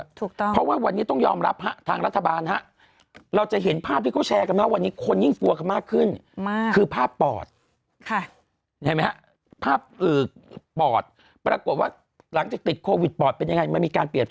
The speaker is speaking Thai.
ถูกต้องเพราะว่าวันนี้ต้องยอมรับฮะทางรัฐบาลเราจะเห็นภาพที่เขาแชร์กันเมื่อวันนี้คน